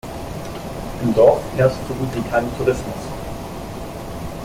Im Dorf herrscht so gut wie kein Tourismus.